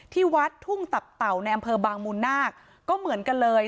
ที่วัดทุ่งตับเต่าในอำเภอบางมูลนาคก็เหมือนกันเลย